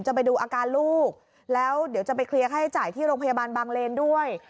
ไปดูอาการลูกแล้วเดี๋ยวจะไปเคลียร์ค่าใช้จ่ายที่โรงพยาบาลบางเลนด้วย